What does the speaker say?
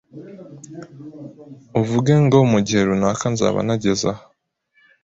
uvuge ngo mu gihe runaka nzaba nageze aha